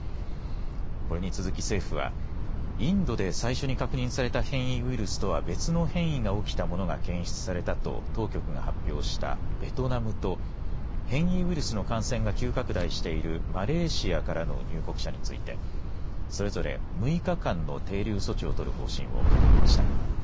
これに続き、政府はインドで最初に確認された変異ウイルスとは別の変異が起きたものが検出されたと当局が発表したベトナムと変異ウイルスの感染が急拡大しているマレーシアからの入国者についてそれぞれ６日間の停留措置を取る方針を固めました。